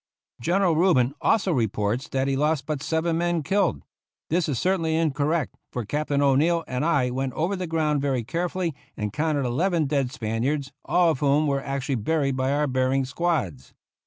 General Rubin also reports that he lost but seven men killed. This is certainly incorrect, for Captain O'Neill and I went over the ground very carefully and counted eleven dead Spaniards, all of whom were actually buried by our burying squads.